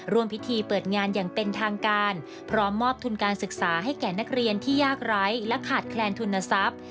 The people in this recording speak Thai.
ร่วมพิธีเปิดงานอย่างเป็นทางการพร้อมมอบทุนการศึกษาให้แก่นักเรียนที่ยากไร้และขาดแคลนทุนทรัพย์